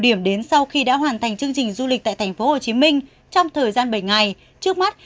điểm đến sau khi đã hoàn thành chương trình du lịch tại tp hcm trong thời gian bảy ngày trước mắt